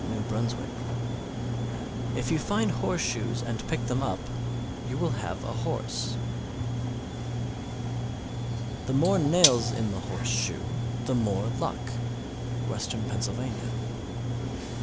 _ 633. If you find horseshoes and pick them up, you will have a horse. 634. The more nails in the horseshoe, the more luck. _Western Pennsylvania.